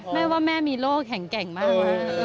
แม่ว่าแม่มีโรคแข็งมาก